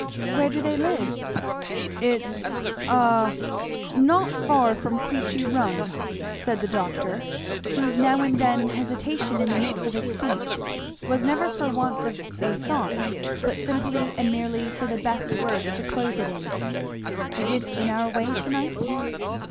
"Where do they live?" "It's a not far from Queechy Run," said the doctor, whose now and then hesitation in the midst of his speech was never for want of a thought but simply and merely for the best words to clothe it in. "Is it in our way to night?"